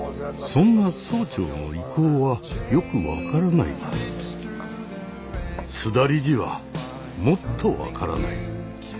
そんな総長の意向はよく分からないが須田理事はもっと分からない。